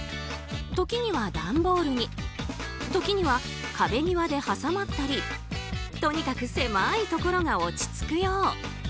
時には段ボールに時には壁際で挟まったりとにかく狭いところが落ち着くよう。